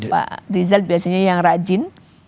pak rizal biasanya yang rajin